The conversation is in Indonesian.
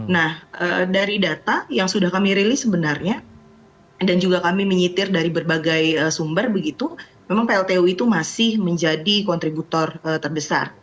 nah dari data yang sudah kami rilis sebenarnya dan juga kami menyetir dari berbagai sumber begitu memang pltu itu masih menjadi kontributor terbesar